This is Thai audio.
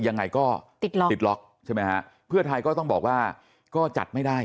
ยังไงก็ติดล็อกติดล็อกใช่ไหมฮะเพื่อไทยก็ต้องบอกว่าก็จัดไม่ได้